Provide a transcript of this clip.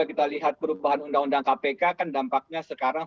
jadi kalau kita lihat perubahan undang undang kpk kan dampaknya sekarang